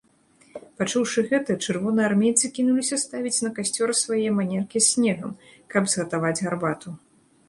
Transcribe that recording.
Пачуўшы гэта, чырвонаармейцы кінуліся ставіць на касцёр свае манеркі з снегам, каб згатаваць гарбату.